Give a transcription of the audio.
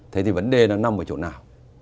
thế thì vấn đề nó nằm ở chỗ nào